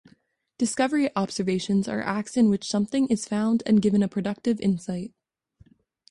Discovery observations are acts in which something is found and given a productive insight.